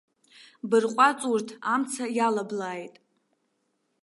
Бырҟәаҵ урҭ, амца иалаблааит!